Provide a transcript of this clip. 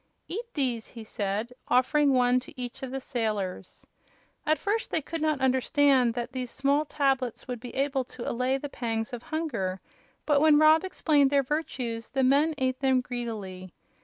"Eat these," he said, offering one of each to the sailors. At first they could not understand that these small tablets would be able to allay the pangs of hunger; but when Rob explained their virtues the men ate them greedily.